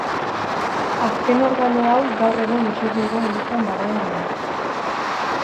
Azken organo hau gaur egun Usurbilgo elizan dagoena da.